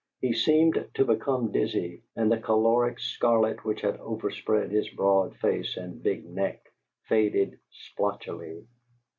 He seemed to become dizzy, and the choleric scarlet which had overspread his broad face and big neck faded splotchily.